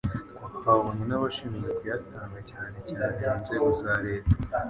Twahabonye nabashinzwe kuyatanga cyanecyane mu nzego za Leta